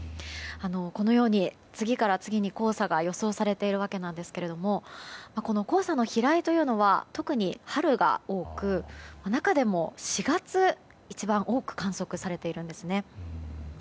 このように次から次に黄砂が予想されていますが黄砂の飛来というのは特に春が多く中でも４月、一番多く観測されているんですね。